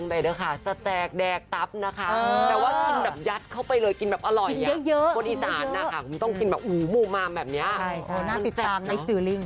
น่าติดตามในสิริง